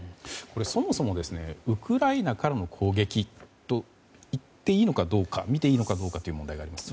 そもそもウクライナからの攻撃といっていいのかどうかという問題がありますよね。